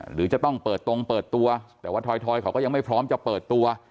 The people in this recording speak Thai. หรือจะต้องเปิดตรงเปิดตัวแต่ว่าทอยเขาก็ยังไม่พร้อมจะเปิดตัว